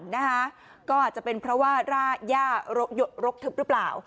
นะคะก็อาจจะเป็นเพราะว่าร่าย่ารกทึบหรือเปล่า